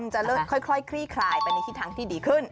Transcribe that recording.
จะเริ่มค่อยคลี่คลายไปในทิศทางที่ดีขึ้น